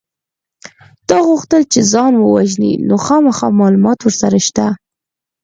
ده غوښتل چې ځان ووژني نو خامخا معلومات ورسره شته